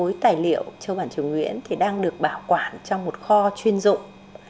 toàn bộ khối tài liệu châu bản chứa nguyễn đang được bảo quản trong một kho chuyên dụng